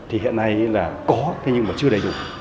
thì hiện nay là có thế nhưng mà chưa đầy đủ